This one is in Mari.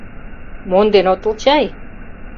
Монден отыл чай?